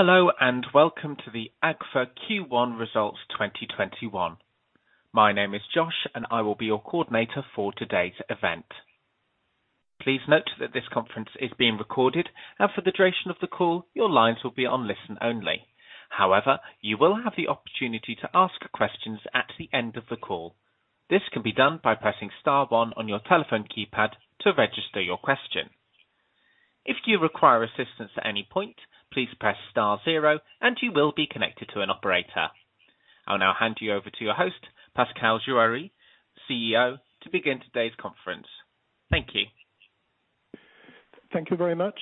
Hello, and welcome to the Agfa Q1 Results 2021. My name is Josh and I will be your coordinator for today's event. Please note that this conference is being recorded, and for the duration of the call, your lines will be on listen only. However, you will have the opportunity to ask questions at the end of the call. This can be done by pressing star one on your telephone keypad to register your question. If you require assistance at any point, please press star zero and you will be connected to an operator. I'll now hand you over to your host, Pascal Juéry, CEO, to begin today's conference. Thank you. Thank you very much.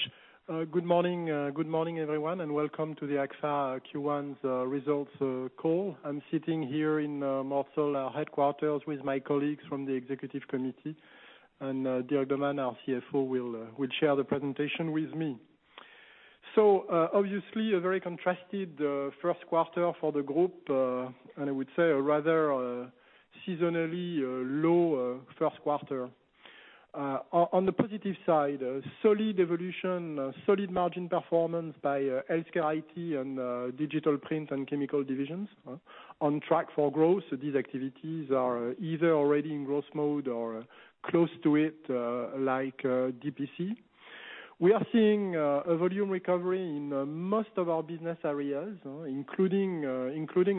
Good morning, everyone, and welcome to the Agfa Q1 results call. I'm sitting here in Mortsel headquarters with my colleagues from the executive committee, Dirk De Man, our CFO, will share the presentation with me. Obviously a very contrasted first quarter for the group, I would say a rather seasonally low first quarter. On the positive side, solid evolution, solid margin performance by HealthCare IT and Digital Print & Chemicals divisions. On track for growth, these activities are either already in growth mode or close to it, like DPC. We are seeing a volume recovery in most of our business areas, including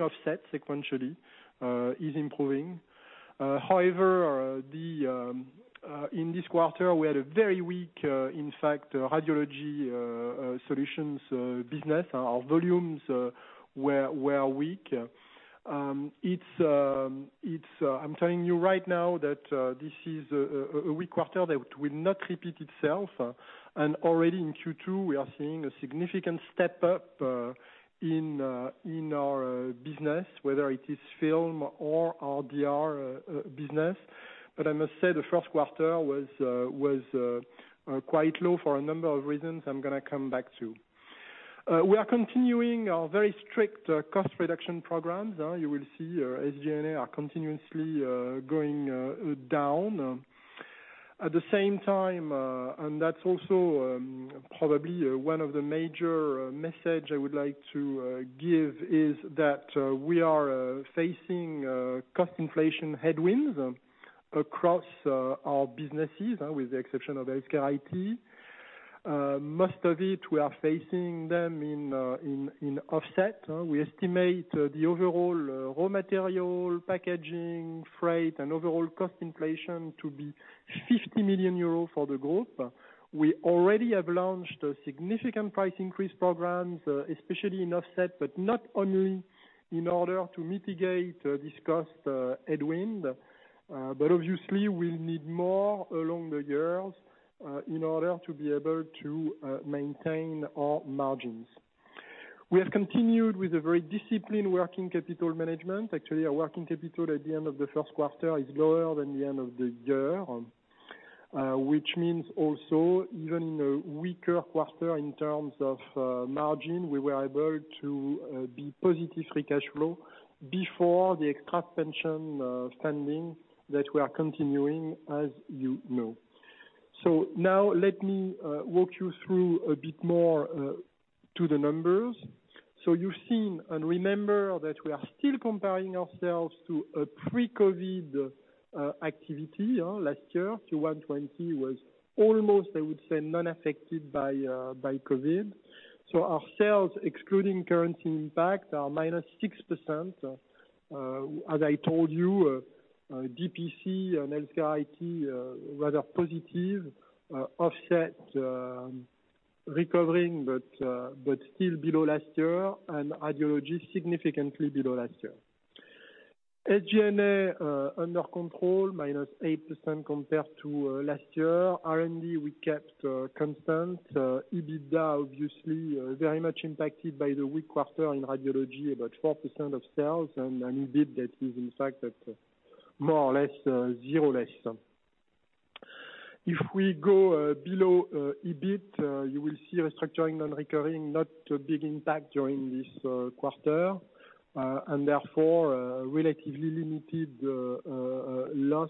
Offset, sequentially, is improving. However, in this quarter, we had a very weak, in fact, Radiology Solutions business. Our volumes were weak. I'm telling you right now that this is a weak quarter that will not repeat itself. Already in Q2, we are seeing a significant step up in our business, whether it is Film or our DR business. I must say the first quarter was quite low for a number of reasons I'm going to come back to. We are continuing our very strict cost reduction programs. You will see SG&A are continuously going down. At the same time, that's also probably one of the major message I would like to give is that we are facing cost inflation headwinds across our businesses, with the exception of HealthCare IT. Most of it, we are facing them in Offset. We estimate the overall raw material, packaging, freight, and overall cost inflation to be 50 million euros for the group. We already have launched significant price increase programs, especially in Offset, but not only in order to mitigate this cost headwind. Obviously, we'll need more along the years in order to be able to maintain our margins. We have continued with a very disciplined working capital management. Actually, our working capital at the end of the first quarter is lower than the end of the year, which means also even in a weaker quarter in terms of margin, we were able to be positive free cash flow before the extra pension funding that we are continuing, as you know. Now let me walk you through a bit more to the numbers. You've seen, and remember that we are still comparing ourselves to a pre-COVID-19 activity last year. Q1 2020 was almost, I would say, non-affected by COVID-19. Our sales, excluding currency impact, are -6%. As I told you, DPC and HealthCare IT, rather positive. Offset recovering but still below last year. Radiology significantly below last year. SG&A under control, -8% compared to last year. R&D, we kept constant. EBITDA, obviously very much impacted by the weak quarter in Radiology, about 4% of sales. EBIT that is in fact at more or less zero level. If we go below EBIT, you will see restructuring and recurring, not a big impact during this quarter, therefore, relatively limited loss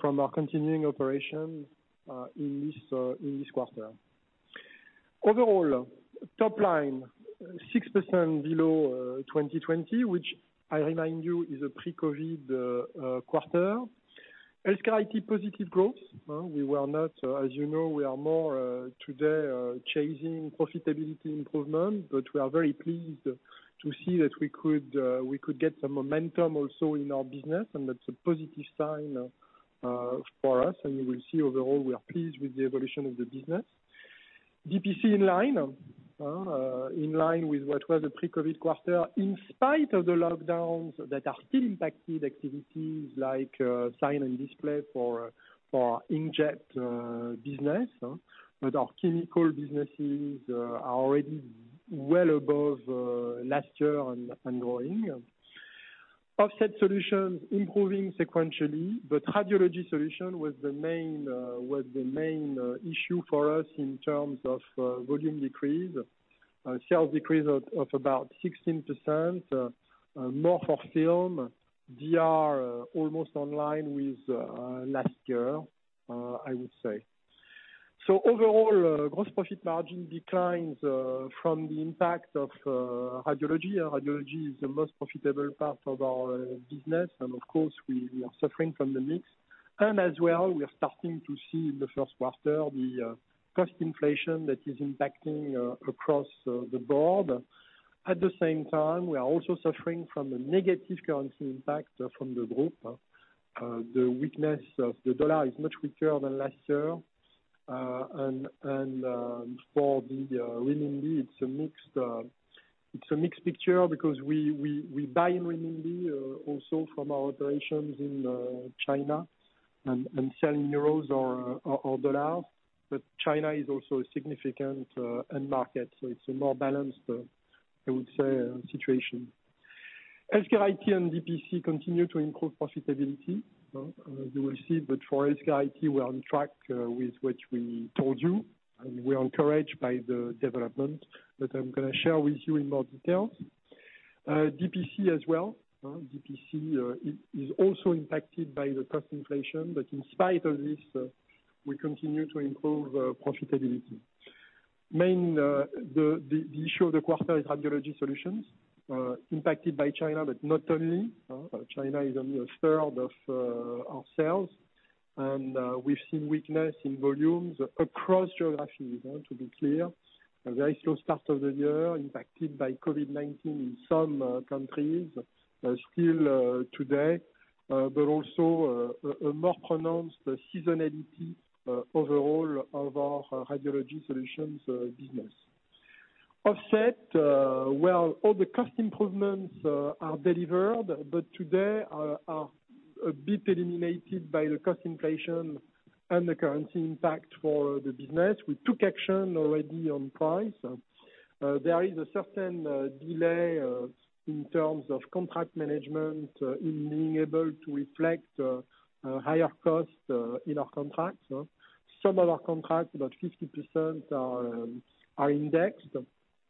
from our continuing operation in this quarter. Overall, top line, 6% below 2020, which I remind you is a pre-COVID-19 quarter. HealthCare IT, positive growth. As you know, we are more today chasing profitability improvement, but we are very pleased to see that we could get some momentum also in our business, that's a positive sign for us. You will see overall, we are pleased with the evolution of the business. DPC in line with what was the pre-COVID quarter, in spite of the lockdowns that are still impacted activities like sign and display for our inkjet business. Our chemical businesses are already well above last year and growing. Offset Solutions improving sequentially, but Radiology Solutions was the main issue for us in terms of volume decrease, Sales decrease of about 16%, more for film. DR almost in line with last year, I would say. Overall, gross profit margin declines from the impact of Radiology Solutions. Radiology Solutions is the most profitable part of our business and of course, we are suffering from the mix. As well, we are starting to see in the first quarter the cost inflation that is impacting across the board. At the same time, we are also suffering from a negative currency impact from the group. The weakness of the dollar is much weaker than last year. For the renminbi, it's a mixed picture because we buy in renminbi also from our operations in China and sell in EUR or USD. China is also a significant end market, so it's a more balanced, I would say, situation. HealthCare IT and DPC continue to improve profitability. You will see that for HealthCare IT, we are on track with what we told you, and we are encouraged by the development that I'm going to share with you in more details. DPC as well. DPC is also impacted by the cost inflation. In spite of this, we continue to improve profitability. The issue of the quarter is Radiology Solutions impacted by China, but not only. China is only a third of our sales. We've seen weakness in volumes across geographies to be clear. A very slow start of the year, impacted by COVID-19 in some countries still today, but also a more pronounced seasonality overall of our Radiology Solutions business. Offset, well, all the cost improvements are delivered, today are a bit eliminated by the cost inflation and the currency impact for the business. We took action already on price. There is a certain delay in terms of contract management in being able to reflect higher costs in our contracts. Some of our contracts, about 50%, are indexed.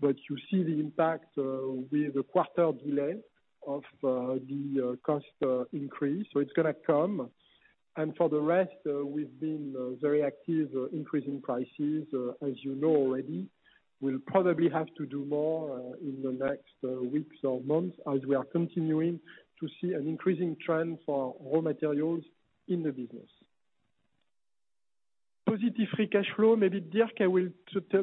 You see the impact with a quarter delay of the cost increase. It's going to come. For the rest, we've been very active increasing prices, as you know already. We'll probably have to do more in the next weeks or months as we are continuing to see an increasing trend for raw materials in the business. Positive free cash flow. Maybe, Dirk, I will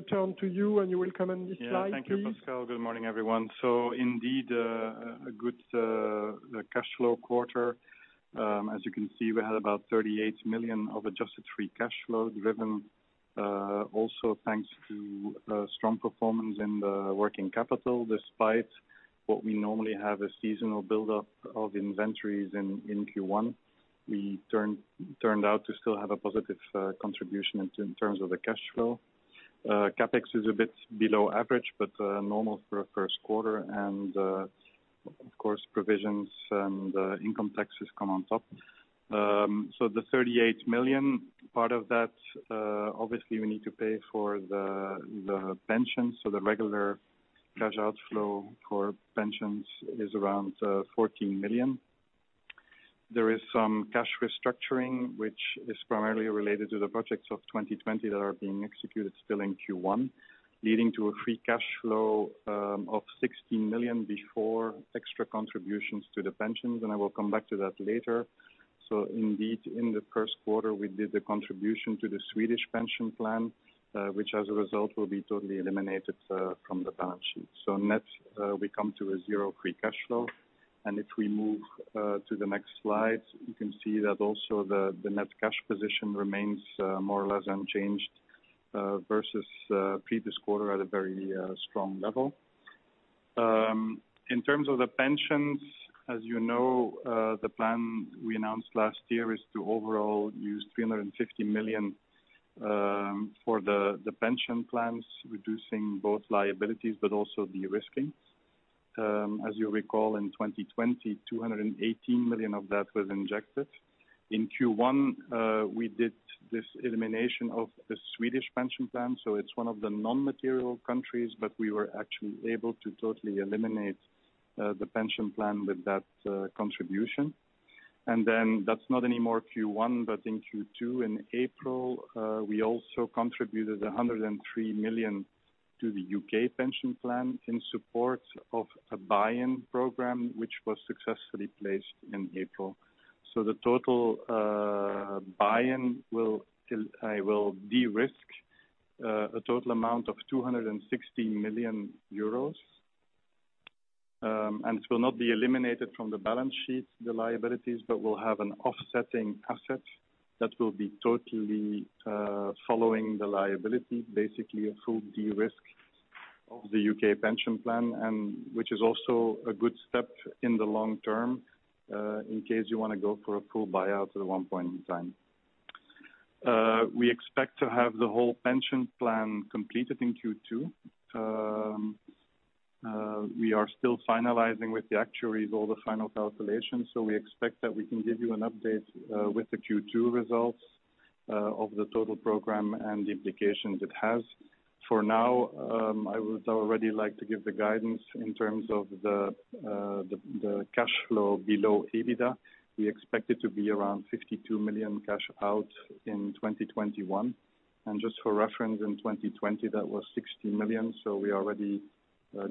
turn to you, and you will comment on this slide, please. Thank you, Pascal. Good morning, everyone. Indeed, a good cash flow quarter. As you can see, we had about 38 million of adjusted free cash flow, driven also thanks to strong performance in the working capital. Despite what we normally have, a seasonal buildup of inventories in Q1, we turned out to still have a positive contribution in terms of the cash flow. CapEx is a bit below average but normal for a first quarter, and of course, provisions and income taxes come on top. The 38 million, part of that, obviously, we need to pay for the pensions. The regular cash outflow for pensions is around 14 million. There is some cash restructuring, which is primarily related to the projects of 2020 that are being executed still in Q1, leading to a free cash flow of 16 million before extra contributions to the pensions. I will come back to that later. Indeed, in the first quarter, we did the contribution to the Swedish pension plan, which as a result, will be totally eliminated from the balance sheet. Net, we come to a zero free cash flow. If we move to the next slide, you can see that also the net cash position remains more or less unchanged versus previous quarter at a very strong level. In terms of the pensions, as you know, the plan we announced last year is to overall use 350 million for the pension plans, reducing both liabilities but also de-risking. As you recall, in 2020, 218 million of that was injected. In Q1, we did this elimination of the Swedish pension plan. It's one of the non-material countries, but we were actually able to totally eliminate the pension plan with that contribution. That's not anymore Q1, but in Q2, in April, we also contributed 103 million to the U.K. pension plan in support of a buy-in program, which was successfully placed in April. The total buy-in will de-risk a total amount of 260 million euros. It will not be eliminated from the balance sheet, the liabilities, but will have an offsetting asset that will be totally following the liability, basically a full de-risk of the U.K. pension plan, which is also a good step in the long term, in case you want to go for a full buyout at one point in time. We expect to have the whole pension plan completed in Q2. Okay. We are still finalizing with the actuaries all the final calculations. We expect that we can give you an update with the Q2 results of the total program and the implications it has. For now, I would already like to give the guidance in terms of the cash flow below EBITDA. We expect it to be around 52 million cash out in 2021. Just for reference, in 2020, that was 16 million. We are already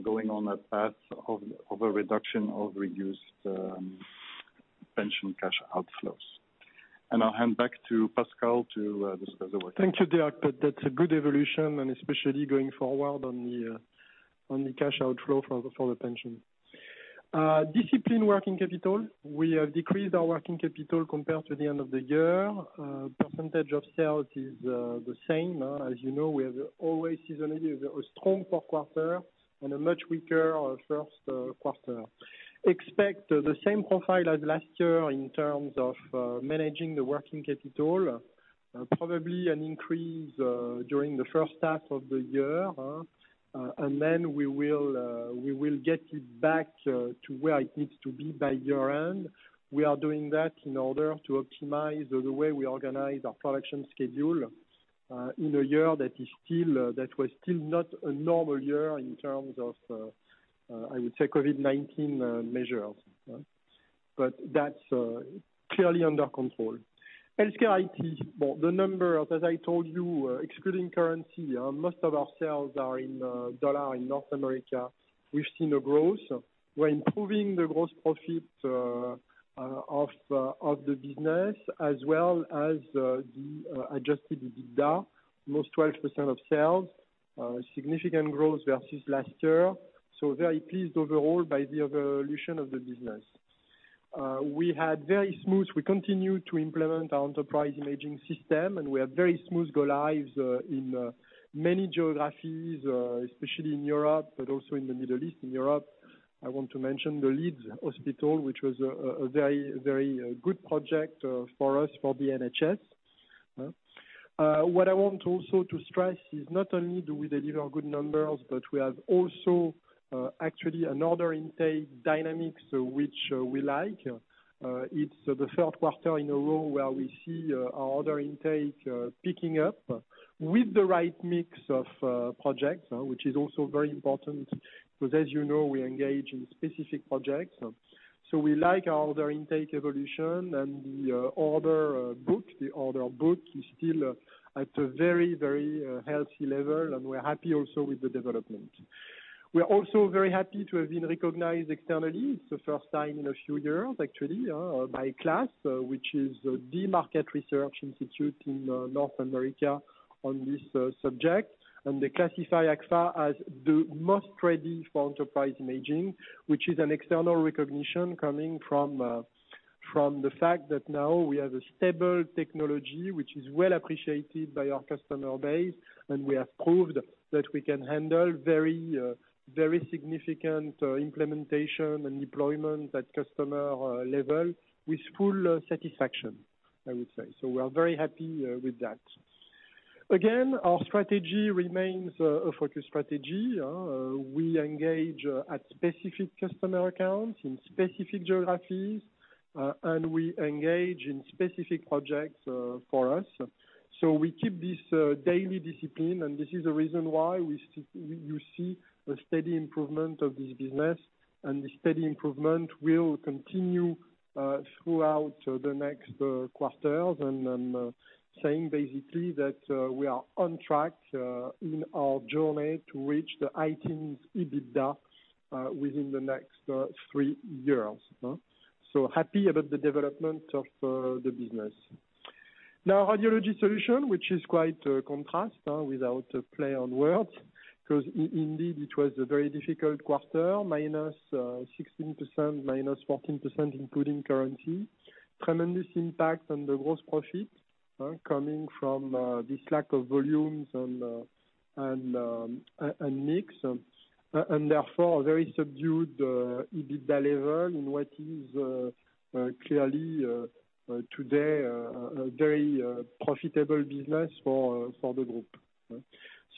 going on a path of a reduction of reduced pension cash outflows. I'll hand back to Pascal to discuss the rest. Thank you, Dirk. That's a good evolution. Especially going forward on the cash outflow for the pension. Discipline working capital, we have decreased our working capital compared to the end of the year. Percentage of sales is the same. As you know, we have always seasonally a strong fourth quarter and a much weaker first quarter. Expect the same profile as last year in terms of managing the working capital. Probably an increase during the first half of the year. Then we will get it back to where it needs to be by year-end. We are doing that in order to optimize the way we organize our production schedule in a year that was still not a normal year in terms of, I would say, COVID-19 measures. That's clearly under control. HealthCare IT, the numbers, as I told you, excluding currency, most of our sales are in U.S. dollar in North America. We've seen a growth. We're improving the gross profit of the business as well as the Adjusted EBITDA, almost 12% of sales, a significant growth versus last year. Very pleased overall by the evolution of the business. We continue to implement our enterprise imaging system, and we have very smooth go-lives in many geographies, especially in Europe, but also in the Middle East. In Europe, I want to mention the Leeds Hospital, which was a very good project for us, for the NHS. What I want also to stress is not only do we deliver good numbers, but we have also actually an order intake dynamics which we like. It's the third quarter in a row where we see our order intake picking up with the right mix of projects, which is also very important because as you know, we engage in specific projects. We like our order intake evolution and the order book is still at a very healthy level, and we're happy also with the development. We are also very happy to have been recognized externally. It's the first time in a few years, actually, by KLAS, which is the market research institute in North America on this subject. They classify Agfa as the most ready for enterprise imaging, which is an external recognition coming from the fact that now we have a stable technology which is well appreciated by our customer base, and we have proved that we can handle very significant implementation and deployment at customer level with full satisfaction, I would say. We are very happy with that. Again, our strategy remains a focused strategy. We engage at specific customer accounts in specific geographies, and we engage in specific projects for us. We keep this daily discipline, and this is the reason why you see a steady improvement of this business, and the steady improvement will continue throughout the next quarters. I'm saying basically that we are on track in our journey to reach the high teens EBITDA within the next three years. Happy about the development of the business. Now, Radiology Solutions, which is quite a contrast without a play on words, because indeed, it was a very difficult quarter, -16%, -14%, including currency. Tremendous impact on the gross profit coming from this lack of volumes and mix, and therefore, a very subdued EBITDA level in what is clearly today a very profitable business for the group.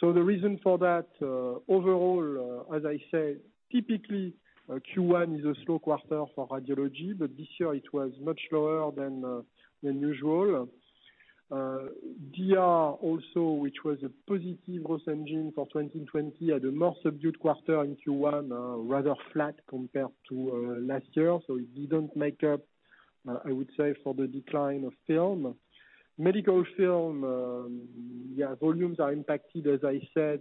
The reason for that, overall, as I said, typically, Q1 is a slow quarter for Radiology, but this year it was much slower than usual. DR also, which was a positive growth engine for 2020, had a more subdued quarter in Q1, rather flat compared to last year. It didn't make up, I would say, for the decline of film. Medical film, volumes are impacted, as I said,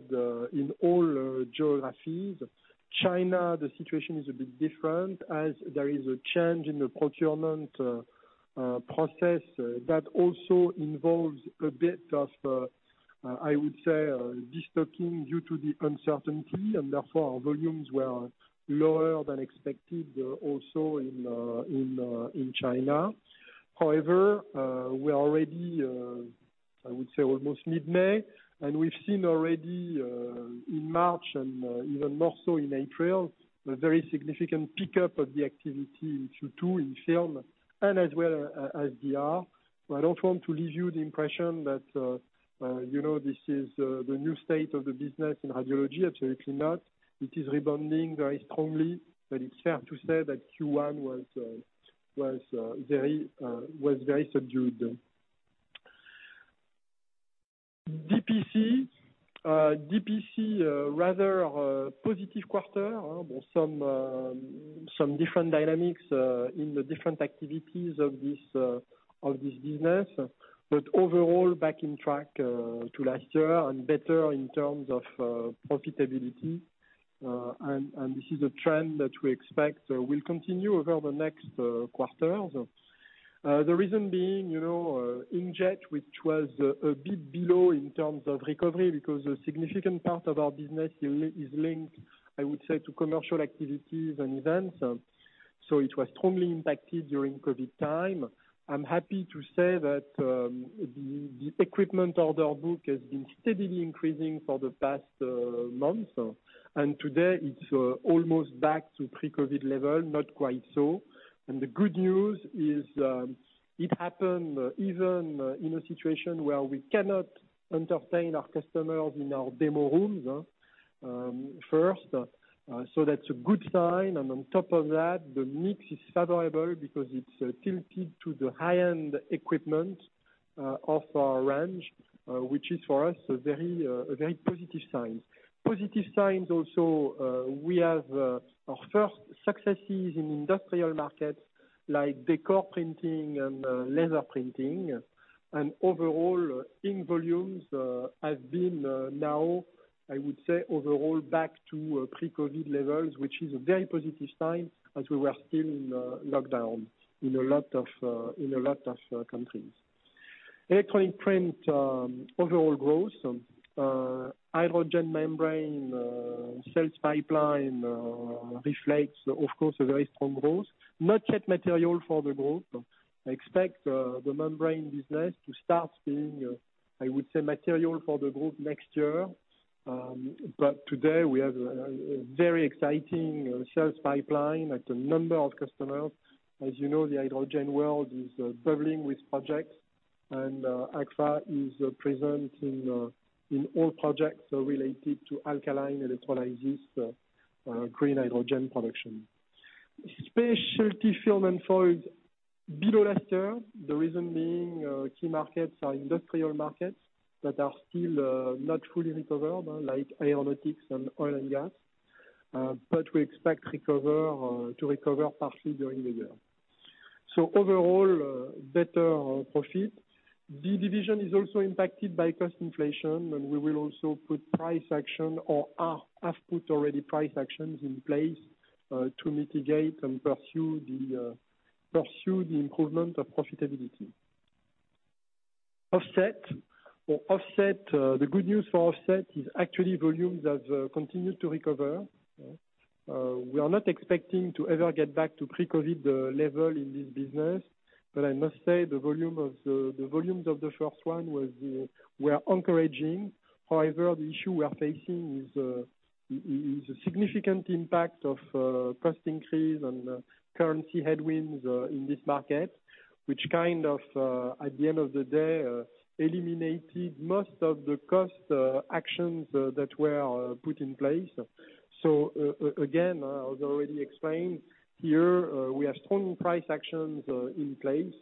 in all geographies. China, the situation is a bit different as there is a change in the procurement process that also involves a bit of, I would say, destocking due to the uncertainty, and therefore our volumes were lower than expected also in China. We are already, I would say, almost mid-May, and we've seen already in March and even more so in April, a very significant pickup of the activity in Q2 in film and as well as DR. I don't want to leave you the impression that this is the new state of the business in Radiology. Absolutely not. It is rebounding very strongly, but it's fair to say that Q1 was very subdued. DPC, rather a positive quarter. Some different dynamics in the different activities of this business. Overall, back on track to last year and better in terms of profitability. This is a trend that we expect will continue over the next quarters. The reason being, inkjet, which was a bit below in terms of recovery because a significant part of our business is linked, I would say, to commercial activities and events. It was strongly impacted during COVID time. I'm happy to say that the equipment order book has been steadily increasing for the past months. Today it's almost back to pre-COVID level, not quite so. The good news is it happened even in a situation where we cannot entertain our customers in our demo rooms first. That's a good sign and on top of that, the mix is favorable because it's tilted to the high-end equipment of our range, which is for us a very positive sign. Positive signs also, we have our first successes in industrial markets like decor printing and leather printing. Overall ink volumes have been now, I would say, overall back to pre-COVID levels, which is a very positive sign as we were still in lockdown in a lot of countries. Electronic print overall growth. Hydrogen membrane sales pipeline reflects, of course, a very strong growth. Not yet material for the group. I expect the membrane business to start being, I would say, material for the group next year. Today we have a very exciting sales pipeline at a number of customers. As you know, the hydrogen world is bubbling with projects, and Agfa is present in all projects related to alkaline electrolysis green hydrogen production. Specialty film and foils below last year. The reason being key markets are industrial markets that are still not fully recovered, like aeronautics and oil and gas. We expect to recover partially during the year. Overall, better profit. The division is also impacted by cost inflation, and we will also put price action or have put already price actions in place to mitigate and pursue the improvement of profitability. Offset. The good news for Offset is actually volumes have continued to recover. We are not expecting to ever get back to pre-COVID-19 level in this business. I must say the volumes of the first one were encouraging. The issue we are facing is a significant impact of cost increase and currency headwinds in this market, which kind of at the end of the day eliminated most of the cost actions that were put in place. Again, as already explained here, we have strong price actions in place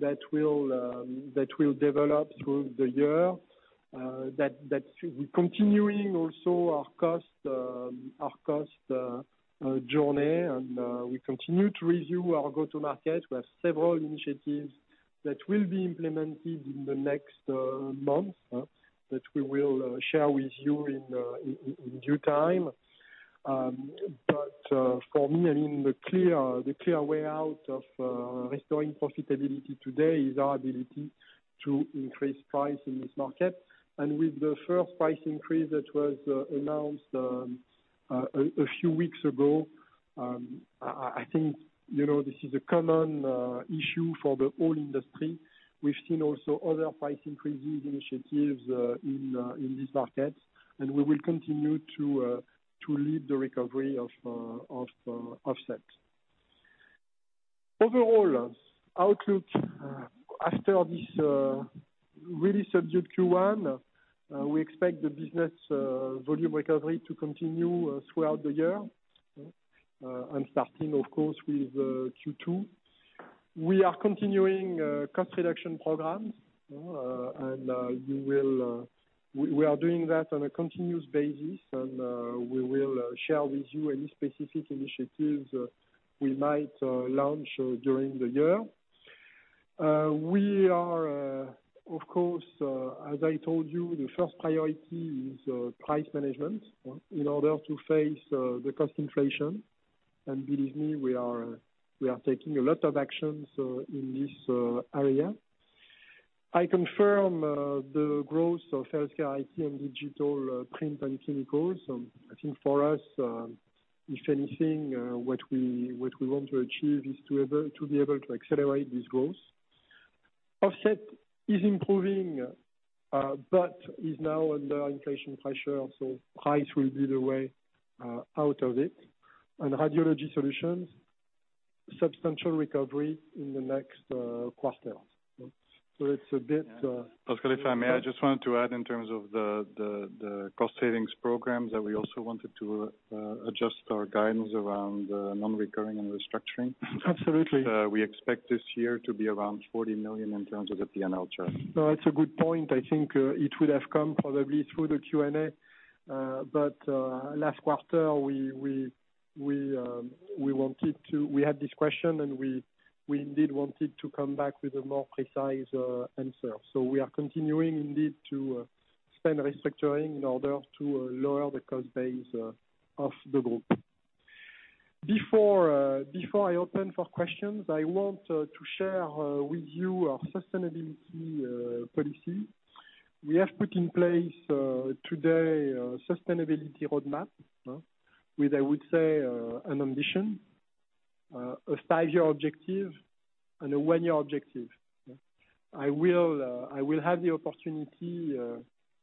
that will develop through the year. We're continuing also our cost journey and we continue to review our go-to-market. We have several initiatives that will be implemented in the next months that we will share with you in due time. For me, the clear way out of restoring profitability today is our ability to increase price in this market. With the first price increase that was announced a few weeks ago, I think this is a common issue for the whole industry. We've seen also other price increases initiatives in this market, and we will continue to lead the recovery of Offset. Overall outlook after this really subdued Q1, we expect the business volume recovery to continue throughout the year and starting of course, with Q2. We are continuing cost reduction programs. We are doing that on a continuous basis, and we will share with you any specific initiatives we might launch during the year. Of course, as I told you, the first priority is price management in order to face the cost inflation. Believe me, we are taking a lot of actions in this area. I confirm the growth of HealthCare IT and Digital Print & Chemicals. I think for us, if anything, what we want to achieve is to be able to accelerate this growth. Offset is improving but is now under inflation pressure, price will be the way out of it. Radiology Solutions Substantial recovery in the next quarter. Pascal, if I may, I just wanted to add in terms of the cost savings programs, that we also wanted to adjust our guidance around non-recurring and restructuring. Absolutely. We expect this year to be around 40 million in terms of the P&L charge. No, it's a good point. I think it would have come probably through the Q&A. Last quarter, we had this question, and we indeed wanted to come back with a more precise answer. We are continuing indeed to spend restructuring in order to lower the cost base of the group. Before I open for questions, I want to share with you our sustainability policy. We have put in place today a sustainability roadmap with, I would say, an ambition, a five-year objective, and a one-year objective. I will have the opportunity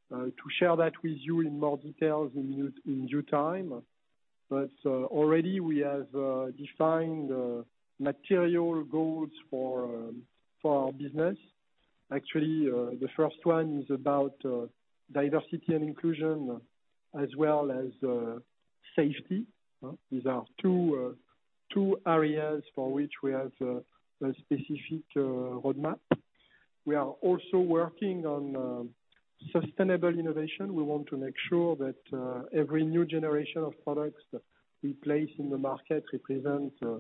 to share that with you in more details in due time. Already we have defined material goals for our business. Actually, the first one is about diversity and inclusion as well as safety. These are two areas for which we have a specific roadmap. We are also working on sustainable innovation. We want to make sure that every new generation of products we place in the market represents a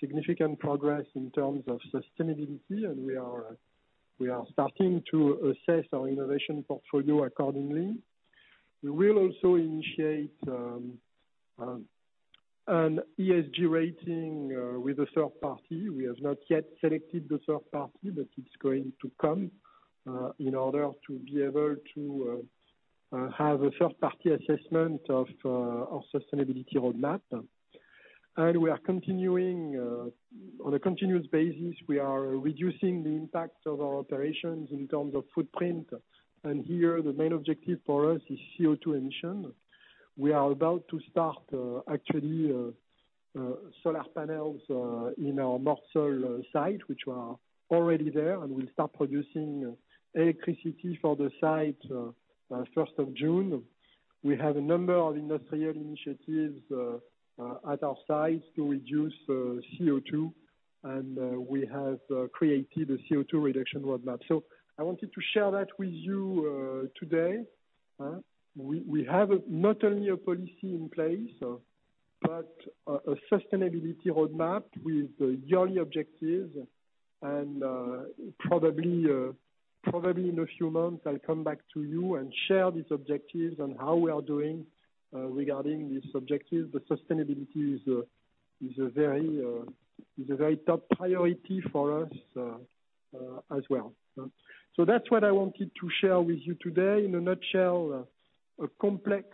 significant progress in terms of sustainability, and we are starting to assess our innovation portfolio accordingly. We will also initiate an ESG rating with a third party. We have not yet selected the third party, but it's going to come in order to be able to have a third-party assessment of sustainability roadmap. On a continuous basis, we are reducing the impact of our operations in terms of footprint. Here the main objective for us is CO2 emission. We are about to start actually solar panels in our Mortsel site, which are already there, and will start producing electricity for the site on the 1st of June. We have a number of industrial initiatives at our site to reduce CO2, and we have created a CO2 reduction roadmap. I wanted to share that with you today. We have not only a policy in place, but a sustainability roadmap with yearly objectives and probably in a few months, I'll come back to you and share these objectives and how we are doing regarding these objectives. Sustainability is a very top priority for us as well. That's what I wanted to share with you today. In a nutshell, a complex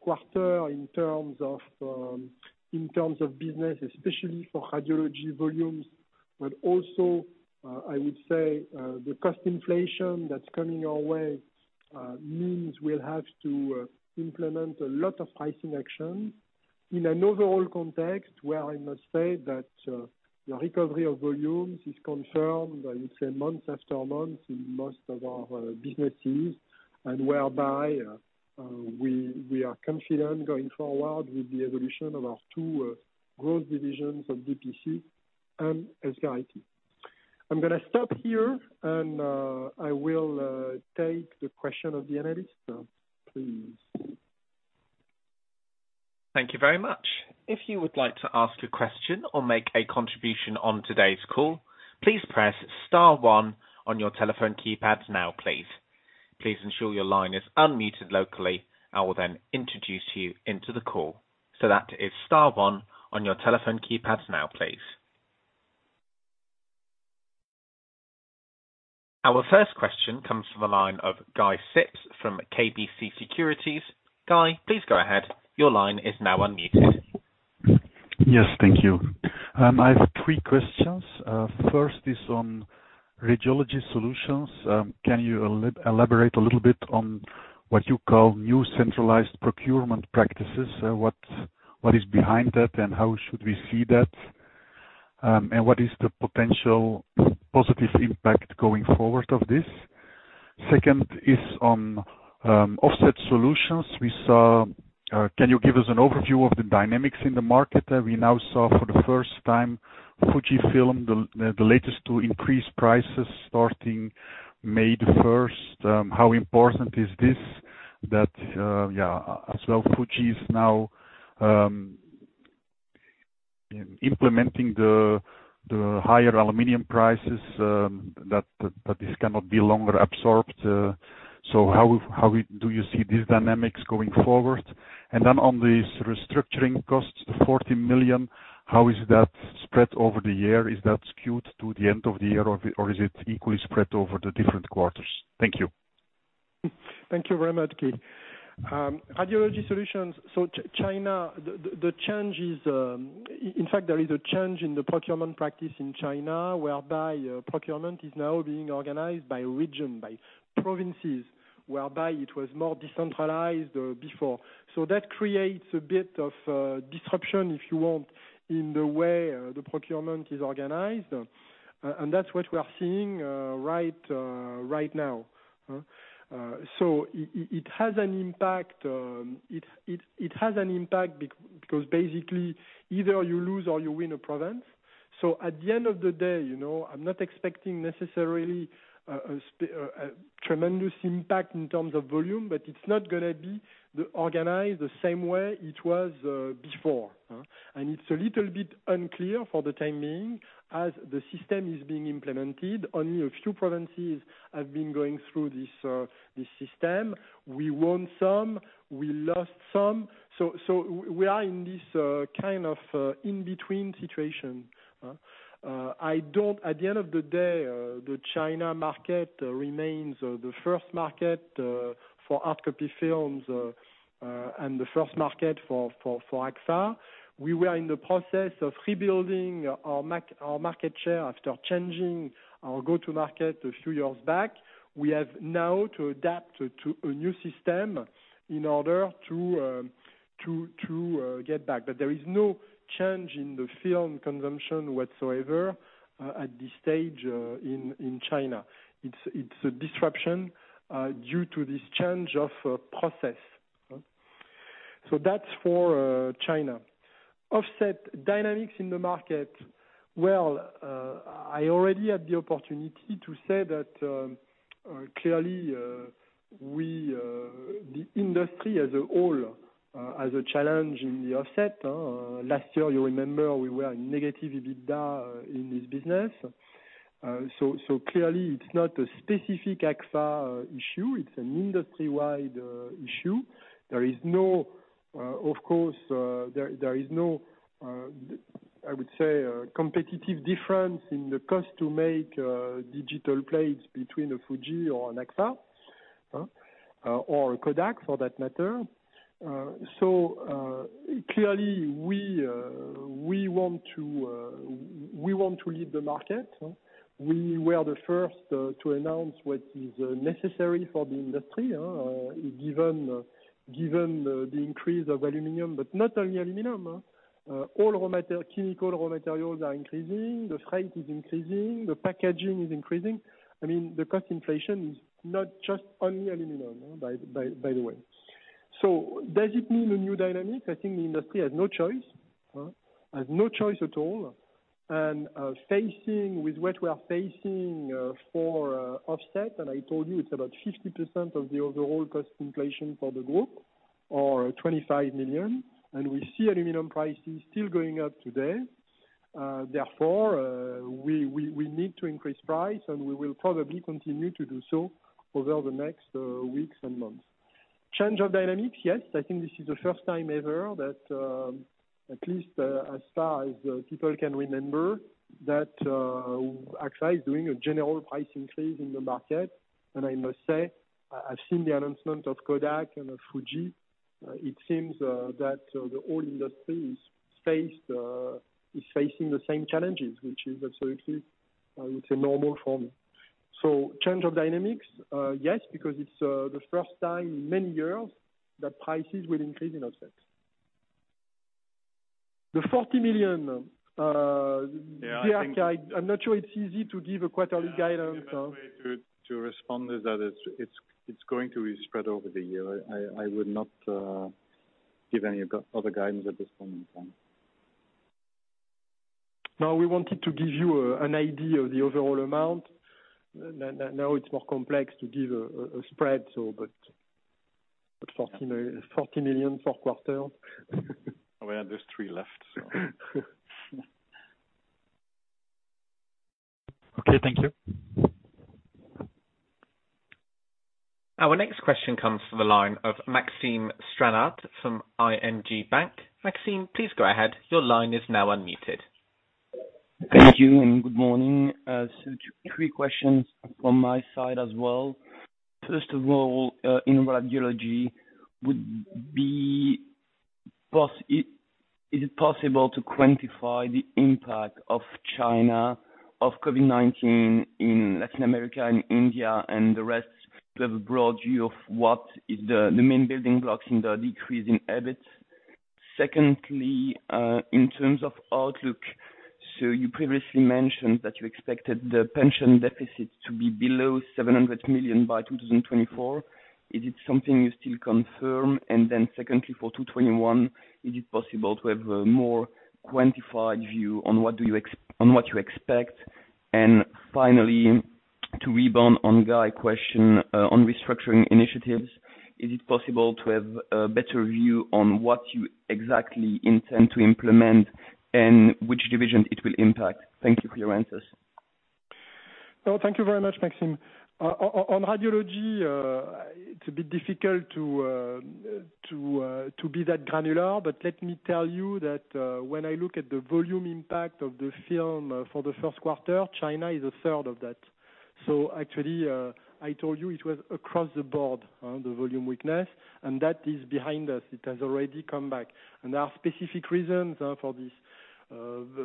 quarter in terms of business, especially for radiology volumes. Also, I would say, the cost inflation that's coming our way means we'll have to implement a lot of pricing action in an overall context where I must say that the recovery of volumes is confirmed, I would say month after month in most of our businesses, and whereby we are confident going forward with the evolution of our two growth divisions of DPC and HIT. I'm going to stop here and I will take the question of the analysts. Please. Thank you very much. If you would like to ask a question or make a contribution on today's call, please press star one on your telephone keypads now. Please ensure your line is unmuted locally and I will then introduce you into the call. So that is star one on your telephone keypad now please. Our first question comes from the line of Guy Sips from KBC Securities. Guy, please go ahead. Your line is now unmuted. Yes. Thank you. I have three questions. First is on Radiology Solutions. Can you elaborate a little bit on what you call new centralized procurement practices? What is behind that, how should we see that? What is the potential positive impact going forward of this? Second is on Offset Solutions. Can you give us an overview of the dynamics in the market that we now saw for the first time, Fujifilm, the latest to increase prices starting May 1st? How important is this that, as well, Fuji is now implementing the higher aluminum prices that this cannot be longer absorbed. How do you see these dynamics going forward? On these restructuring costs, the 40 million, how is that spread over the year? Is that skewed to the end of the year, or is it equally spread over the different quarters? Thank you. Thank you very much, Guy. Radiology Solutions. China, in fact, there is a change in the procurement practice in China, whereby procurement is now being organized by region, by provinces, whereby it was more decentralized before. That creates a bit of a disruption, if you want, in the way the procurement is organized. That is what we are seeing right now. It has an impact because basically either you lose or you win a province. At the end of the day, I am not expecting necessarily a tremendous impact in terms of volume, but it is not going to be organized the same way it was before. It is a little bit unclear for the time being, as the system is being implemented. Only a few provinces have been going through this system. We won some, we lost some. We are in this kind of in-between situation. At the end of the day, the China market remains the first market for hardcopy films and the first market for Agfa. We were in the process of rebuilding our market share after changing our go-to-market a few years back. We have now to adapt to a new system in order to get back. But there is no change in the film consumption whatsoever at this stage in China. It's a disruption due to this change of process. That's for China. Offset dynamics in the market. Well, I already had the opportunity to say that clearly, the industry as a whole has a challenge in the Offset. Last year, you remember we were in negative EBITDA in this business. Clearly it's not a specific Agfa issue, it's an industry-wide issue. There is no, I would say, competitive difference in the cost to make digital plates between a Fuji or an Agfa, or a Kodak for that matter. Clearly we want to lead the market. We were the first to announce what is necessary for the industry, given the increase of aluminum. Not only aluminum. All chemical raw materials are increasing, the freight is increasing, the packaging is increasing. The cost inflation is not just only aluminum, by the way. Does it mean a new dynamic? I think the industry has no choice. Has no choice at all. With what we are facing for Offset, and I told you it's about 50% of the overall cost inflation for the group, or 25 million. We see aluminum prices still going up today. Therefore, we need to increase price, and we will probably continue to do so over the next weeks and months. Change of dynamic? Yes. I think this is the first time ever that, at least as far as people can remember, that Agfa is doing a general price increase in the market. I must say, I've seen the announcement of Kodak and of Fuji. It seems that the whole industry is facing the same challenges, which is absolutely a normal for me. Change of dynamics, yes, because it's the first time in many years that prices will increase in Offset. The 40 million- Yeah, I think- I'm not sure it's easy to give a quarterly guidance. The best way to respond is that it's going to be spread over the year. I would not give any other guidance at this point in time. No, we wanted to give you an idea of the overall amount. Now it's more complex to give a spread. EUR 40 million for a quarter. There's three left. Okay. Thank you. Our next question comes from the line of Maxime Stranart from ING Bank. Maxime, please go ahead. Your line is now unmuted. Thank you, good morning. Three questions from my side as well. First of all, in radiology, is it possible to quantify the impact of China of COVID-19 in Latin America and India and the rest to have a broad view of what is the main building blocks in the decrease in EBIT? Secondly, in terms of outlook, you previously mentioned that you expected the pension deficit to be below 700 million by 2024. Is it something you still confirm? Secondly, for 2021, is it possible to have a more quantified view on what you expect? Finally, to rebound on Guy Sips' question on restructuring initiatives, is it possible to have a better view on what you exactly intend to implement and which division it will impact? Thank you for your answers. No, thank you very much, Maxime. On radiology, it's a bit difficult to be that granular, but let me tell you that when I look at the volume impact of the film for the first quarter, China is a third of that. Actually, I told you it was across the board, the volume weakness, and that is behind us. It has already come back. There are specific reasons for this.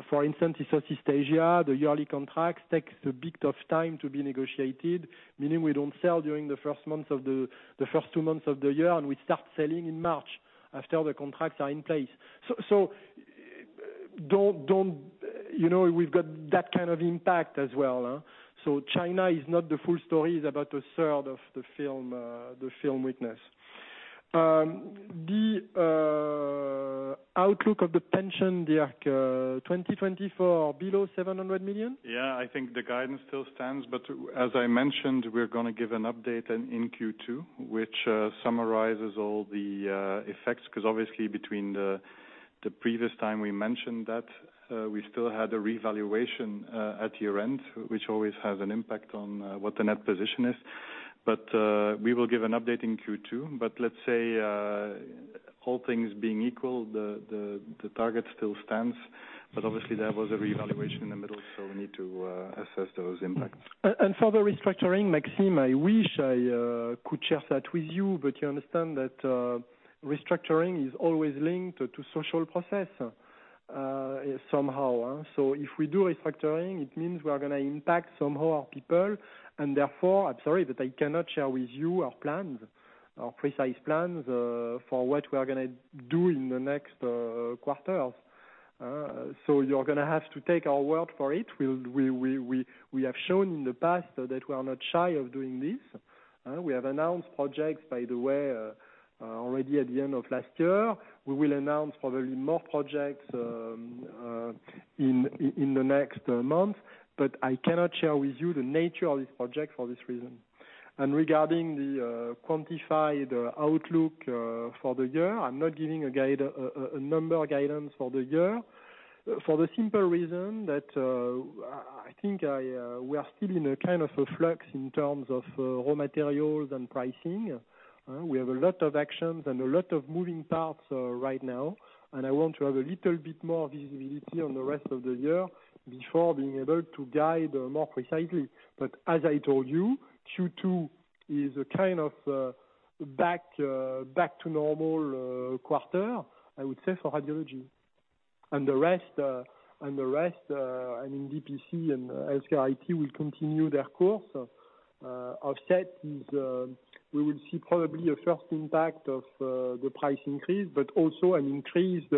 For instance, in Southeast Asia, the yearly contracts take a bit of time to be negotiated, meaning we don't sell during the first two months of the year, and we start selling in March after the contracts are in place. We've got that kind of impact as well. China is not the full story, it's about a third of the film weakness. The outlook of the pension, Dirk, 2024, below 700 million? Yeah, I think the guidance still stands, but as I mentioned, we're going to give an update in Q2, which summarizes all the effects, because obviously between the previous time we mentioned that, we still had a revaluation at year-end, which always has an impact on what the net position is. We will give an update in Q2. Let's say all things being equal, the target still stands. Obviously there was a revaluation in the middle, so we need to assess those impacts. For the restructuring, Maxime, I wish I could share that with you, but you understand that restructuring is always linked to social process somehow. If we do restructuring, it means we are going to impact somehow our people, and therefore, I'm sorry, but I cannot share with you our precise plans for what we are going to do in the next quarters. You're going to have to take our word for it. We have shown in the past that we are not shy of doing this. We have announced projects, by the way, already at the end of last year. We will announce probably more projects in the next month, but I cannot share with you the nature of this project for this reason. Regarding the quantified outlook for the year, I'm not giving a number guidance for the year for the simple reason that I think we are still in a kind of a flux in terms of raw materials and pricing. We have a lot of actions and a lot of moving parts right now, and I want to have a little bit more visibility on the rest of the year before being able to guide more precisely. As I told you, Q2 is a kind of back to normal quarter, I would say, for radiology. The rest, I mean, DPC and HealthCare IT will continue their course. Offset, we will see probably a first impact of the price increase, but also an increased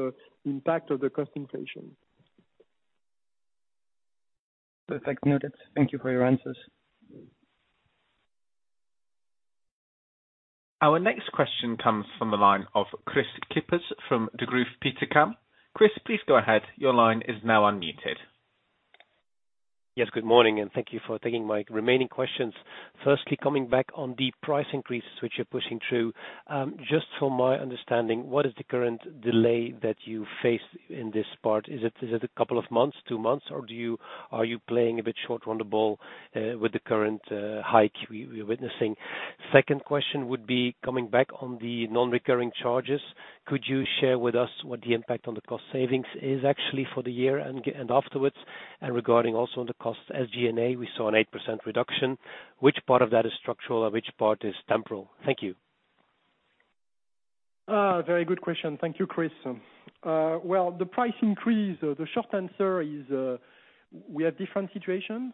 impact of the cost inflation. Perfect. Noted. Thank you for your answers. Our next question comes from the line of Kris Kippers from Degroof Petercam. Kris, please go ahead. Yes, good morning, and thank you for taking my remaining questions. Firstly, coming back on the price increases which you're pushing through. Just for my understanding, what is the current delay that you face in this part? Is it a couple of months, two months, or are you playing a bit short on the ball with the current hike we're witnessing? Second question would be coming back on the non-recurring charges. Could you share with us what the impact on the cost savings is actually for the year and afterwards? Regarding also the cost SG&A, we saw an 8% reduction. Which part of that is structural and which part is temporal? Thank you. Very good question. Thank you, Kris. Well, the price increase, the short answer is we have different situations.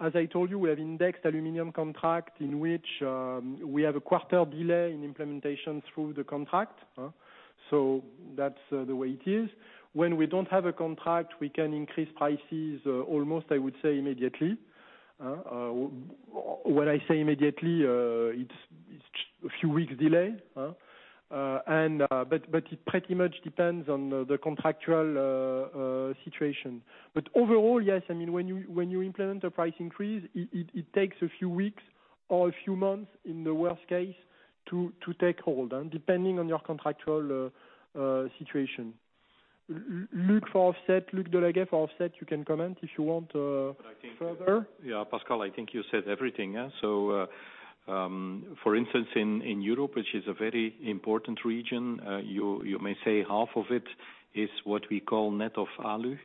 As I told you, we have indexed aluminum contract in which we have a quarter delay in implementation through the contract. That's the way it is. When we don't have a contract, we can increase prices almost, I would say, immediately. When I say immediately, it's a few weeks delay. It pretty much depends on the contractual situation. Overall, yes, when you implement a price increase, it takes a few weeks or a few months in the worst case to take hold, and depending on your contractual situation. Luc for Offset, you can comment if you want further. Yeah, Pascal, I think you said everything. For instance, in Europe, which is a very important region, you may say half of it is what we call net of alu.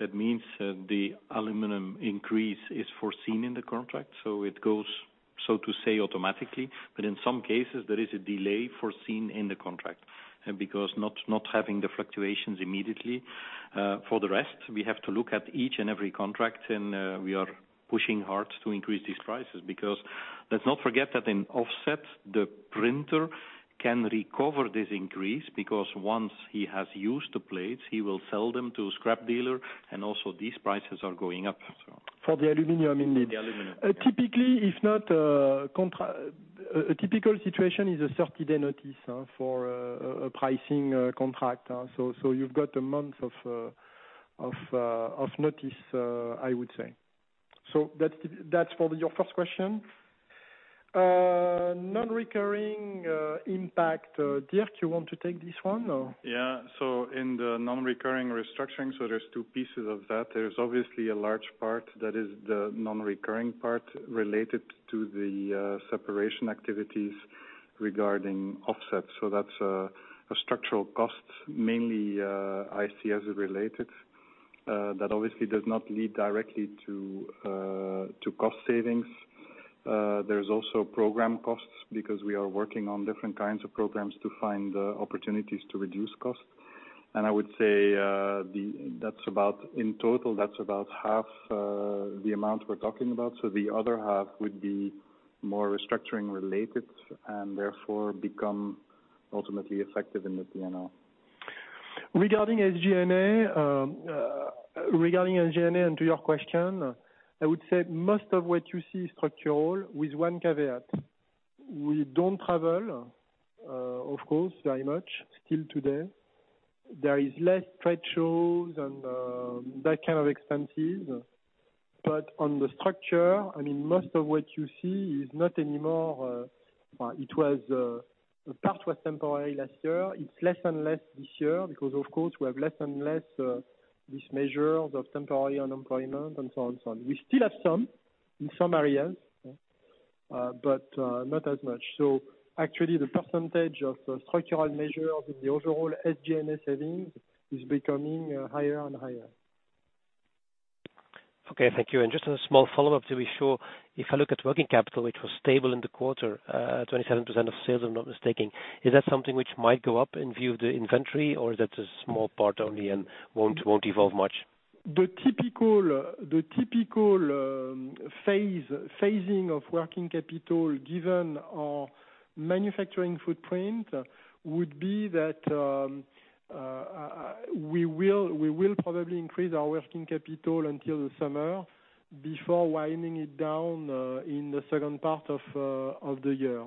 That means the aluminum increase is foreseen in the contract, so it goes, so to say, automatically. In some cases, there is a delay foreseen in the contract because not having the fluctuations immediately. For the rest, we have to look at each and every contract, and we are pushing hard to increase these prices because let's not forget that in Offset, the printer can recover this increase because once he has used the plates, he will sell them to a scrap dealer, and also these prices are going up. For the aluminum. For the aluminum. A typical situation is a 30-day notice for a pricing contract. You've got a month of notice, I would say. That's for your first question. Non-recurring impact, Dirk, you want to take this one? In the non-recurring restructuring, there's two pieces of that. There's obviously a large part that is the non-recurring part related to the separation activities. Regarding Offset. That's structural costs, mainly ICS related, that obviously does not lead directly to cost savings. There's also program costs because we are working on different kinds of programs to find opportunities to reduce costs. I would say, in total, that's about half the amount we're talking about. The other half would be more restructuring related and therefore become ultimately effective in the P&L. Regarding SG&A, to your question, I would say most of what you see is structural with one caveat. We don't travel, of course, very much still today. There is less trade shows and that kind of expenses. On the structure, most of what you see, a part was temporary last year. It's less and less this year because, of course, we have less and less of these measures of temporary unemployment and so on. We still have some, in some areas, but not as much. Actually the percentage of structural measures in the overall SG&A savings is becoming higher and higher. Okay. Thank you. Just a small follow-up to be sure. If I look at working capital, which was stable in the quarter, 27% of sales if I'm not mistaken, is that something which might go up in view of the inventory or is that a small part only and won't evolve much? The typical phasing of working capital, given our manufacturing footprint, would be that we will probably increase our working capital until the summer before winding it down in the second part of the year.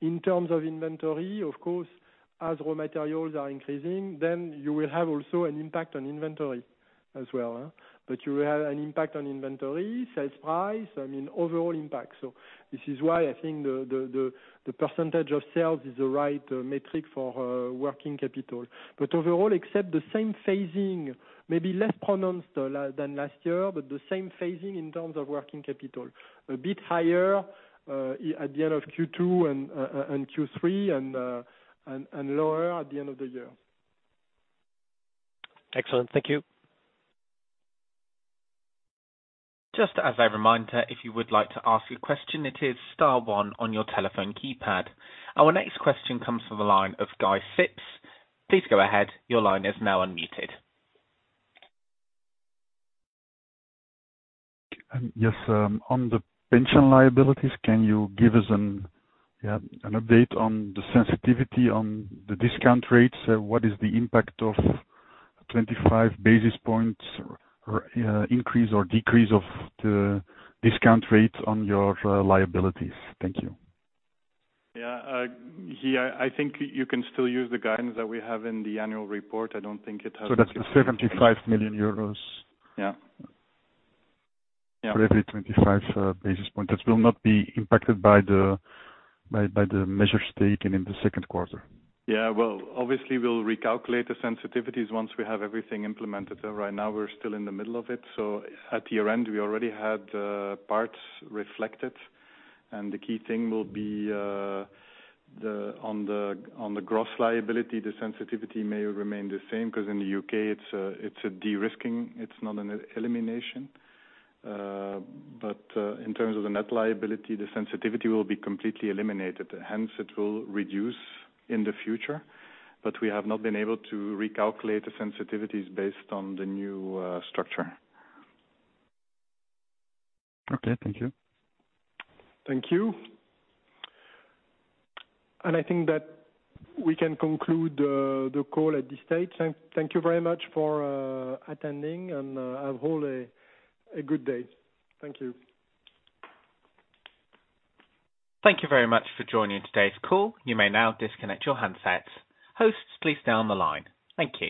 In terms of inventory, of course, as raw materials are increasing, you will have also an impact on inventory as well. You will have an impact on inventory, sales price, overall impact. This is why I think the percentage of sales is the right metric for working capital. Overall, except the same phasing, maybe less pronounced than last year, but the same phasing in terms of working capital. A bit higher at the end of Q2 and Q3 and lower at the end of the year. Excellent. Thank you. Our next question comes from the line of Guy Sips. Please go ahead. Yes. On the pension liabilities, can you give us an update on the sensitivity on the discount rates? What is the impact of 25 basis points increase or decrease of the discount rates on your liabilities? Thank you. Yeah. Guy Sips, I think you can still use the guidance that we have in the annual report. That's 75 million euros. Yeah. For every 25 basis point that will not be impacted by the measures taken in the second quarter. Obviously we'll recalculate the sensitivities once we have everything implemented. Right now, we're still in the middle of it. At year-end, we already had parts reflected, and the key thing will be on the gross liability, the sensitivity may remain the same because in the U.K. it's a de-risking, it's not an elimination. In terms of the net liability, the sensitivity will be completely eliminated. Hence, it will reduce in the future. We have not been able to recalculate the sensitivities based on the new structure. Okay. Thank you. Thank you. I think that we can conclude the call at this stage. Thank you very much for attending and have all a good day. Thank you. Thank you very much for joining today's call. You may now disconnect your handsets. Hosts, please stay on the line. Thank you.